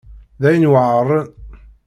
D ayen yuɛṛen.